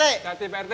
hati hati pak rt